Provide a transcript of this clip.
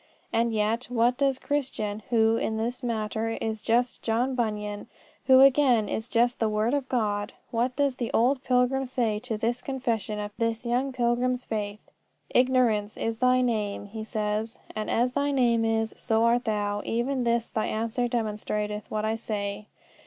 And yet, what does Christian, who, in this matter, is just John Bunyan, who again is just the word of God what does the old pilgrim say to this confession of this young pilgrim's faith? "Ignorance is thy name," he says, "and as thy name is, so art thou: even this thy answer demonstrateth what I say.